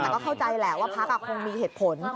แต่ก็เข้าใจแล้วว่าพลักษณ์อ่ะคงมีเหตุผล